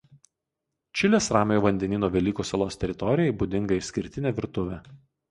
Čilės Ramiojo vandenyno Velykų salos teritorijai būdinga išskirtinė virtuvė.